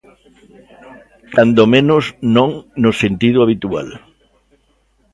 Cando menos non no sentido habitual.